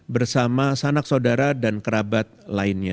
bersama sanak saudara dan kerabat lainnya